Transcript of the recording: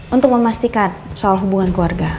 untuk memastikan soal hubungan keluarga